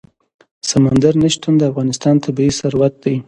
سمندر نه شتون د افغانستان طبعي ثروت دی.